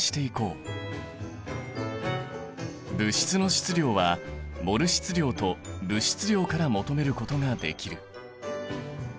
物質の質量はモル質量と物質量から求めることができる。